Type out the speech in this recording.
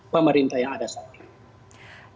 pemerintah yang ada saat ini